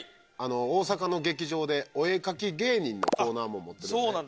大阪の劇場でお絵描き芸人のコーナーも持ってるよね